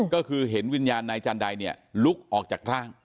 ก็คือเห็นวิญญาณนายจันไดเนี่ยลุกออกจากร่าง